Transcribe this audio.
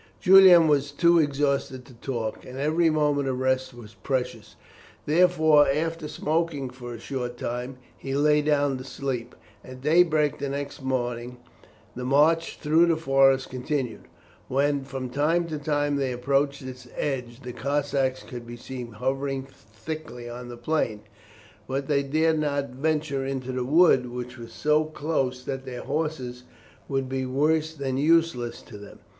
Julian was too exhausted to talk, and every moment of rest was precious. Therefore, after smoking for a short time, he lay down to sleep. At daybreak the next morning the march through the forest continued. When from time to time they approached its edge, the Cossacks could be seen hovering thickly on the plain; but they dared not venture into the wood, which was so close that their horses would be worse than useless to them.